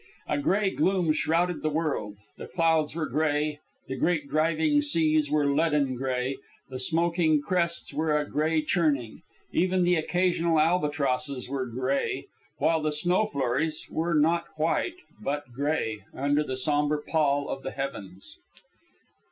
A gray gloom shrouded the world. The clouds were gray; the great driving seas were leaden gray; the smoking crests were a gray churning; even the occasional albatrosses were gray, while the snow flurries were not white, but gray, under the sombre pall of the heavens.